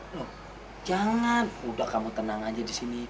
loh jangan udah kamu tenang aja disini